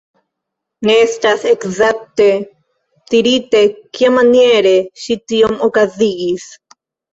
Ne estas ekzakte dirite kiamaniere ŝi tion okazigis.